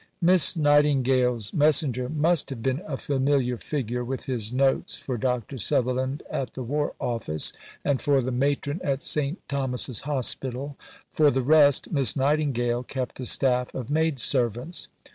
Miss Nightingale's messenger must have been a familiar figure, with his notes for Dr. Sutherland, at the War Office, and, for the Matron, at St. Thomas's Hospital. For the rest, Miss Nightingale kept a staff of maidservants.